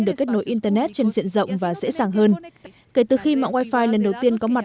được kết nối internet trên diện rộng và dễ dàng hơn kể từ khi mạng wi fi lần đầu tiên có mặt